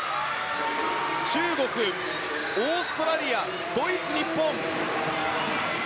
中国、オーストラリア、ドイツに日本。